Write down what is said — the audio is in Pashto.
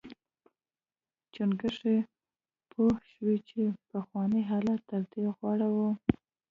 چنګښې پوه شوې چې پخوانی حالت تر دې غوره و.